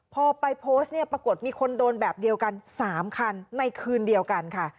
พอไปโพสต์เนี่ยปรากฏมีคนโดนแบบเดียวกัน๓คันในคืนเดียวกันค่ะ